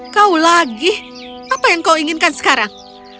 kau lagi apa yang kau inginkan sekarang